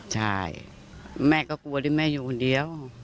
ใช่แม่ก็กลัวที่แม่อยู่คนเดียว